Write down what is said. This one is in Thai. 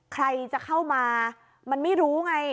ใครจะเข้ามามันไม่รู้ไง